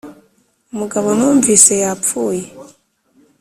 umugabo numvise yapfuye.